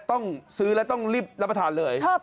ต้องซื้อแล้วต้องรีบรับประทานเลย